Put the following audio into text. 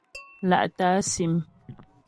Lá'tə̀ á sim.